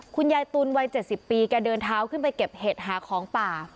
คุณยายตุลวัย๗๐ปีแกเดินเท้าขึ้นไปเก็บเห็ดหาของป่า